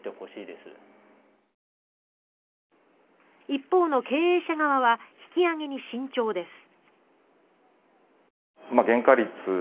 一方の経営者側は引き上げに慎重です。